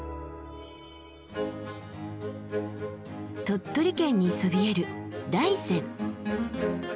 鳥取県にそびえる大山。